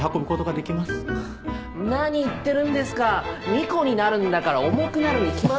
２個になるんだから重くなるに決まって。